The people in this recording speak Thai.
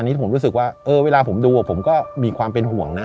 อันนี้ผมรู้สึกว่าเวลาผมดูผมก็มีความเป็นห่วงนะ